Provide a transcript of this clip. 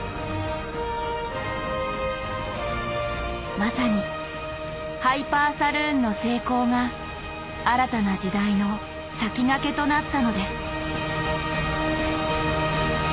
まさにハイパーサルーンの成功が新たな時代の先駆けとなったのです。